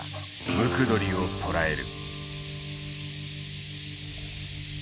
ムクドリを捕らえる。